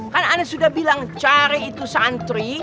kan anda sudah bilang cari itu santri